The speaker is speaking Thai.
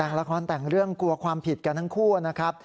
แต่งละครแต่งเรื่องกลัวความผิดกันทั้งคู่นะครับ